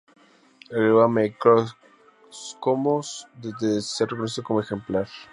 Agregó que "Microcosmos debe ser reconocido como ejemplar".